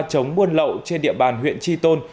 chống buôn lậu trên địa bàn huyện tri tôn